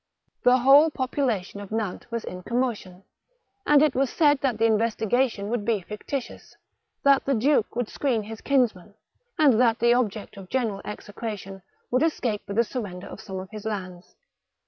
The whole population of Nantes was in commotion, and it was said that the investigation would be fictitious, that the duke would screen his kinsman, and that the object of general execration would escape with the sur render of some of his lands.